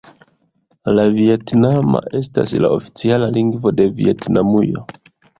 La vjetnama estas la oficiala lingvo de Vjetnamujo.